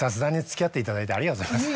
ありがとうございます。